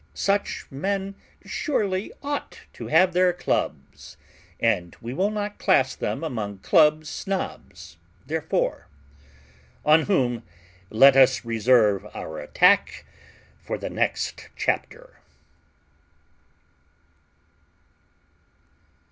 Such men surely ought to have their Clubs, and we will not class them among Club Snobs therefore: on whom let us reserve our attack for the next chapter.